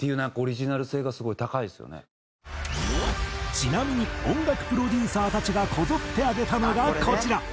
ちなみに音楽プロデューサーたちがこぞって挙げたのがこちら。